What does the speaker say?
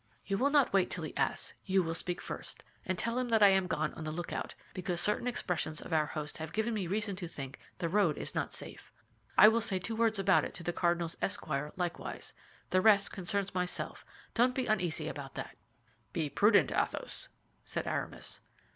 "You will not wait till he asks; you will speak first, and tell him that I am gone on the lookout, because certain expressions of our host have given me reason to think the road is not safe. I will say two words about it to the cardinal's esquire likewise. The rest concerns myself; don't be uneasy about that." "Be prudent, Athos," said Aramis.